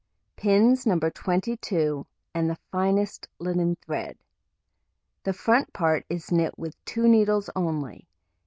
Pins No. 22, and the finest linen thread. The front part is knit with 2 needles only.